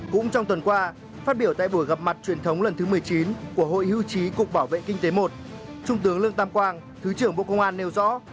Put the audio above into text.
cũng trong tuần qua phát biểu tại buổi gặp mặt truyền thống lần thứ một mươi chín của hội hưu trí cục bảo vệ kinh tế i trung tướng lương tam quang thứ trưởng bộ công an nêu rõ